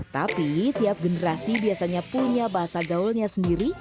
tapi tiap generasi biasanya punya bahasa gaulnya sendiri